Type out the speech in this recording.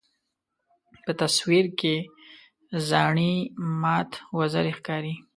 په تصویر کې زاڼې مات وزرې ښکاري.